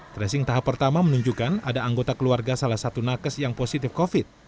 tracing tahap pertama menunjukkan ada anggota keluarga salah satu nakes yang positif covid